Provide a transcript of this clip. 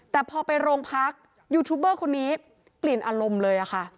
แต่พอไปโรงพักยูทูบเบอร์คนนี้เปลี่ยนอารมณ์เลยค่ะ